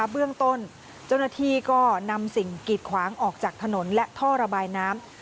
เบื้องต้นเจ้าหน้าที่ก็นำสิ่งกีดขวางออกจากถนนและท่อระบายน้ำ